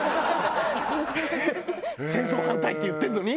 戦争反対って言ってるのに？